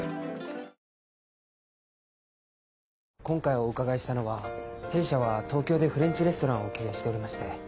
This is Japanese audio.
今回お伺いしたのは弊社は東京でフレンチレストランを経営しておりまして。